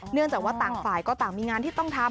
เนื่องจากว่าต่างฝ่ายก็ต่างมีงานที่ต้องทำ